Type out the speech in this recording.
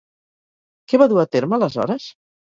Què va dur a terme, aleshores?